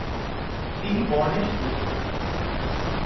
তিনি বর্ণে শূদ্র।